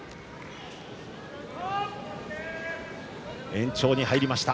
延長に入りました。